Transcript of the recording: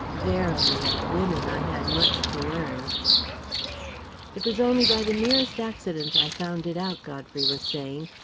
Verily, of women I had much to learn! "It was only by the merest accident I found it out," Godfrey was saying.